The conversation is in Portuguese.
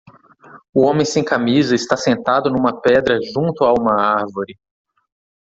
O homem sem camisa está sentado numa pedra junto a uma árvore.